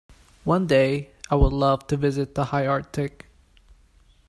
One day, I would love to visit the high Arctic.